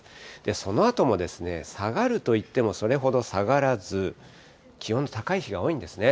そのあともですね、下がるといってもそれほど下がらず、気温、高い日が多いんですね。